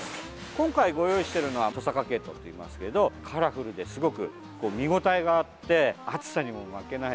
今回ご用意しているのはトサカケイトウといいますけどカラフルですごく見応えがあって暑さにも負けない。